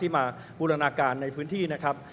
มาบูรณาการในพื้นที่นะครับ